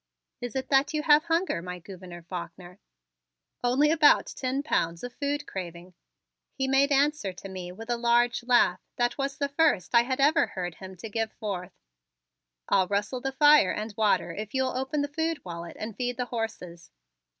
"Is it that you have hunger, my Gouverneur Faulkner?" "Only about ten pounds of food craving," he made answer to me with a large laugh that was the first I had ever heard him to give forth. "I'll rustle the fire and water if you'll open the food wallet and feed the horses."